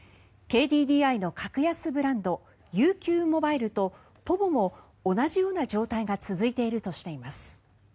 ＫＤＤＩの格安ブランドＵＱモバイルとｐｏｖｏも同じような状態が続いているとしています。